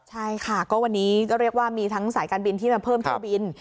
ใช่ค่ะก็วันนี้ก็เรียกว่ามีทั้งสายการบินที่มาเพิ่มเที่ยวบิน